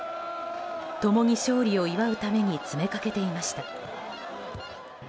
共に勝利を祝うために詰め掛けていました。